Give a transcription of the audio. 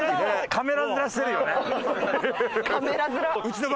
「カメラ面」。